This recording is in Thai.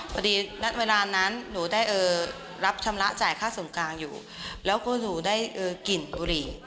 พอดีณเวลานั้นหนูได้รับชำระจ่ายค่าส่วนกลางอยู่แล้วก็หนูได้กลิ่นบุหรี่